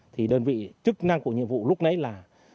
thì đơn vị chức năng của nhiệm vụ lúc đấy là